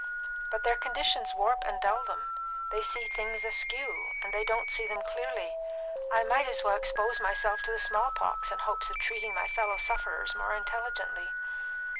But their conditions warp and dull them; they see things askew, and they don't see them clearly. I might as well expose myself to the small pox in hopes of treating my fellow sufferers more intelligently."